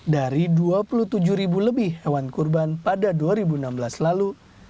dari dua puluh tujuh ribu lebih hewan kurban pada dua ribu enam belas lalu